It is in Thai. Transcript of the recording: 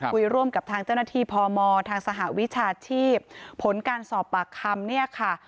คุยร่วมกับทางเจ้าหน้าที่พมทางสหวิชาชีพผลการสอบปากคำเนี่ยค่ะ